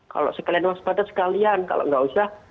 kalau sekalian waspada sekalian kalau nggak usah